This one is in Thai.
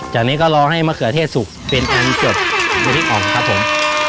จากนี้ก็รอให้มะเขือเทศสุกเป็นอันจบครับผม